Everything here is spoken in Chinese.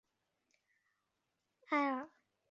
埃尔利海滩是大堡礁观光的门户之一。